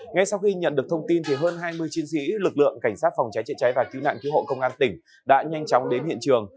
ngay sau khi nhận được thông tin hơn hai mươi chiến sĩ lực lượng cảnh sát phòng cháy chữa cháy và cứu nạn cứu hộ công an tỉnh đã nhanh chóng đến hiện trường